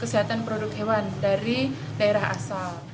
kesehatan produk hewan dari daerah asal